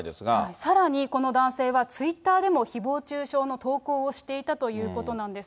さらに、この男性はツイッターでもひぼう中傷の投稿をしていたということなんです。